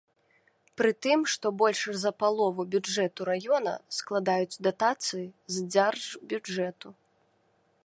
Пры тым, што больш за палову бюджэту раёна складаюць датацыі з дзяржбюджэту.